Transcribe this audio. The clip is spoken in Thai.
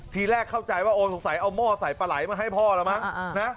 ทีแรกเข้าใจว่าโอ้สงสัยเอาหม้อใส่ปลาไหลมาให้พ่อแล้วมั้งนะ